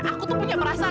aku tuh punya perasaan